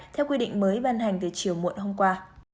theo quy định mới ban hành từ chiều muộn hôm qua